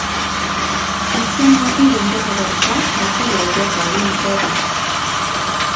kityem wasirinde kokerta matikichor robinik choto